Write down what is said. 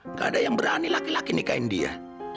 nggak ada yang berani laki laki nikahin dia